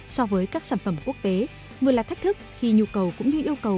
so với các sản phẩm quốc tế vừa là thách thức khi nhu cầu cũng như yêu cầu